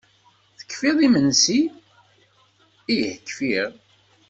Tekfiḍ imensi? Ih kfiɣ!